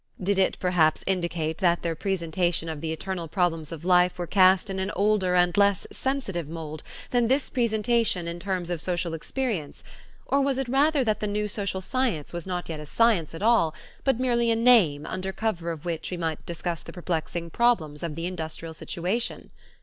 Did it perhaps indicate that their presentation of the eternal problems of life were cast in an older and less sensitive mold than this presentation in terms of social experience, or was it rather that the new social science was not yet a science at all but merely a name under cover of which we might discuss the perplexing problems of the industrial situation?